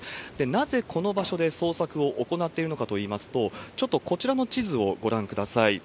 なぜこの場所で捜索を行っているのかといいますと、ちょっと、こちらの地図をご覧ください。